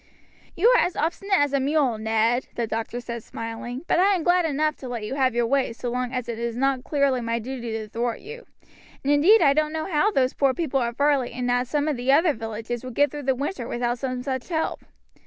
"You are as obstinate as a mule, Ned," the doctor said, smiling; "but I am glad enough to let you have your way so long as it is not clearly my duty to thwart you; and indeed I don't know how those poor people at Varley and at some of the other villages would get through the winter without some such help."